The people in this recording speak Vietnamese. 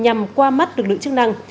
nhằm qua mắt lực lượng chức năng